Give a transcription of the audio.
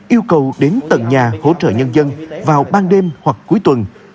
yêu cầu đến tận nhà hỗ trợ nhân dân vào ban đêm hoặc cuối tuần